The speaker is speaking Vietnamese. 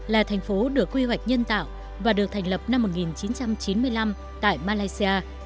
là thành phố được quy hoạch nhân tạo và được thành lập năm một nghìn chín trăm chín mươi năm tại malaysia